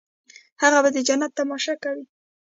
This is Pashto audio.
هغه به د جنت تماشه کوي.